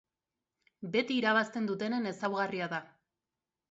Beti irabazten dutenen ezaugarria da.